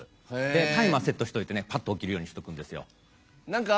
タイマーセットしといてぱっと起きるようにしておくんですよ。